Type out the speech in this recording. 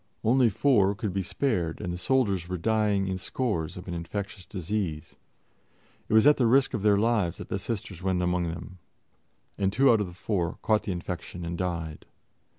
Only four could be spared, and the soldiers were dying in scores of an infectious disease. It was at the risk of their lives that the Sisters went among them, and two out of the four caught the infection and died.